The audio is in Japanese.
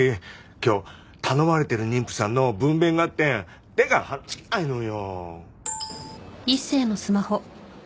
今日頼まれてる妊婦さんの分娩があって手が離せないのよ。